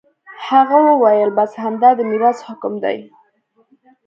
هغه وويل بس همدا د ميراث حکم دى.